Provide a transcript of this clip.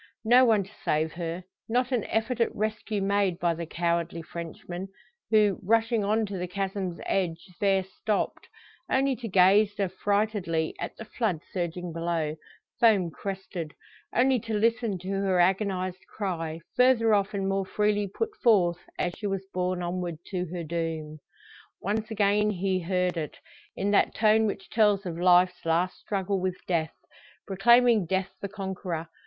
No one to save her not an effort at rescue made by the cowardly Frenchman; who, rushing on to the chasm's edge, there stopped, only to gaze affrightedly at the flood surging below, foam crested; only to listen to her agonised cry, further off and more freely put forth, as she was borne onward to her doom. Once again he heard it, in that tone which tells of life's last struggle with death proclaiming death the conqueror.